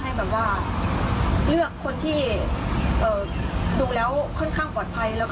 ถ้าจะดูดวงหนังหนูอยากให้เลือกคนที่ดูแล้วค่อนข้างปลอดภัย